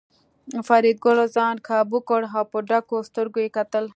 فریدګل ځان کابو کړ او په ډکو سترګو یې کتل